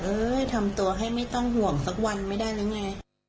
ทำตัวให้ไม่ต้องห่วงสักวันไม่ได้หรือไง